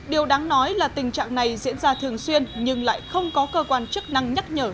điều đáng nói là tình trạng này diễn ra thường xuyên nhưng lại không có cơ quan chức năng nhắc nhở